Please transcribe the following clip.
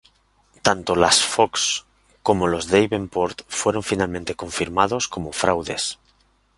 Tanto las Fox como los Davenport fueron finalmente confirmados como fraudes.